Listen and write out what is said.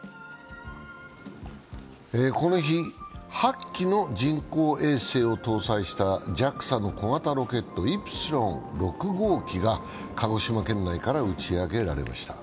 この日、８機の人工衛星を搭載したＪＡＸＡの小型ロケット「イプシロン６号機」が鹿児島県内から打ち上げられました。